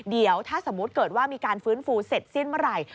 เดี๋ยวถ้าสมมุติเกิดว่ามีการฟื้นฟูเสร็จสิ้นเมื่อไหร่